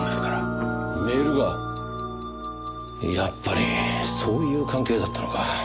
やっぱりそういう関係だったのか。